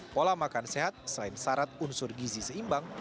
pola makan sehat selain syarat unsur gizi seimbang